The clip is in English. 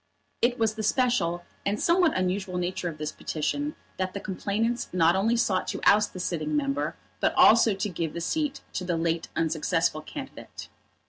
It was the special and somewhat unusual nature of this petition that the complainants not only sought to oust the sitting member, but also to give the seat to the late unsuccessful candidate.